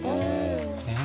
えっ？